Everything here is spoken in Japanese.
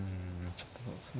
ちょっとそうですね